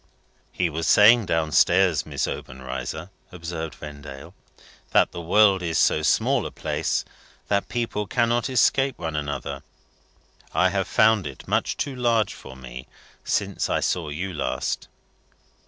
"He was saying down stairs, Miss Obenreizer," observed Vendale, "that the world is so small a place, that people cannot escape one another. I have found it much too large for me since I saw you last."